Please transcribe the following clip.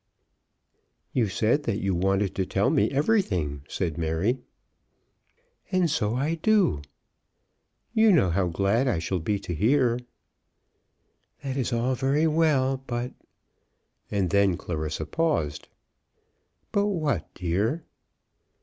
"You said that you wanted to tell me everything," said Mary. "And so I do." "You know how glad I shall be to hear." "That is all very well, but, " And then Clarissa paused. "But what, dear?"